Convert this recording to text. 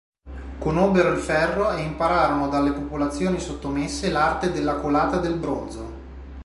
Conobbero il ferro e impararono dalle popolazioni sottomesse l'arte della colata del bronzo.